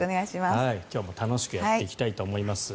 今日は楽しくやっていきたいと思います。